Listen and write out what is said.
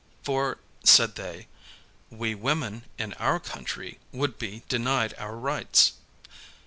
." For, said they, "We women in our country would be denied our rights."